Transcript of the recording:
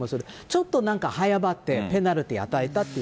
ちょっとなんか早まってペナルティ与えたっていう。